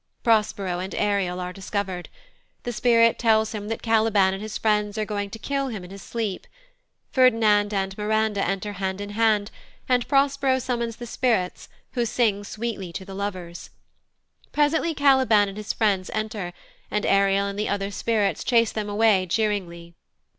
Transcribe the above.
Prospero and Ariel are discovered. The Spirit tells him that Caliban and his friends are going to kill him in his sleep. Ferdinand and Miranda enter hand in hand, and Prospero summons the Spirits, who sing sweetly to the lovers. Presently Caliban and his friends enter, and Ariel and the other spirits chase them away jeeringly.